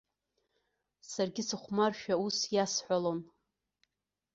Саргьы сыхәмаршәа ус иасҳәалон.